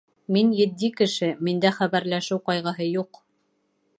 Мин етди кеше, миндә хәбәрләшеү ҡайғыһы юҡ!